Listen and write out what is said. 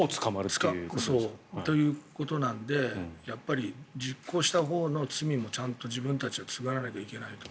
ということなのでやっぱり実行したほうの罪もちゃんと自分たちが償わなきゃいけないと。